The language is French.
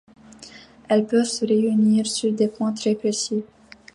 Elles peuvent se réunir sur des points très précis.